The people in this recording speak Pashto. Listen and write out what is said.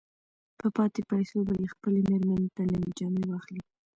په پاتې پيسو به يې خپلې مېرمې ته نوې جامې واخلي.